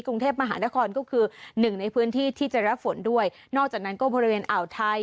กรุงเทพมหานครก็คือหนึ่งในพื้นที่ที่จะรับฝนด้วยนอกจากนั้นก็บริเวณอ่าวไทย